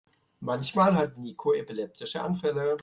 Manchmal hat Niko epileptische Anfälle.